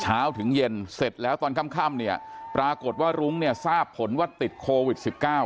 เช้าถึงเย็นเสร็จแล้วตอนค่ำเนี่ยปรากฏว่ารุ้งเนี่ยทราบผลว่าติดโควิด๑๙